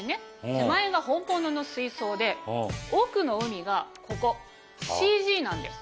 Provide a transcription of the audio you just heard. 手前が本物の水槽で奥の海がここＣＧなんです。